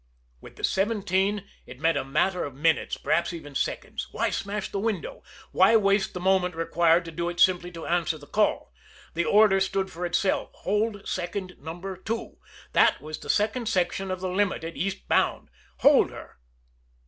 With the "seventeen" it meant a matter of minutes, perhaps even seconds. Why smash the window? Why waste the moment required to do it simply to answer the call? The order stood for itself "Hold second Number Two." That was the second section of the Limited, east bound. Hold her!